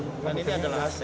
dan ini adalah aset